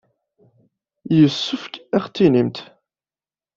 Yessefk ad aɣ-d-tinimt.